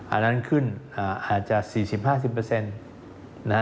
อันนั้นขึ้นอาจจะ๔๐๕๐นะฮะ